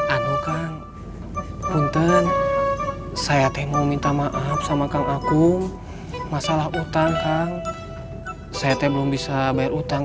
anu kang punten saya mau minta maaf sama kang akum masalah utang kang saya belum bisa bayar utang